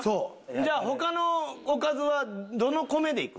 じゃあ他のおかずはどの米でいく？